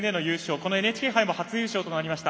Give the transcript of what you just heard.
このＮＨＫ杯も初優勝となりました。